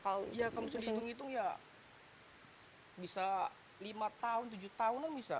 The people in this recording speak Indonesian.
kalau dihitung hitung ya bisa lima tahun tujuh tahun